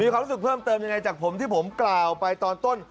ความรู้สึกเพิ่มเติมยังไงจากผมที่ผมกล่าวไปตอนต้น